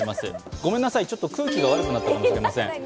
ごめんなさい、ちょっと空気が悪くなったかもしれません。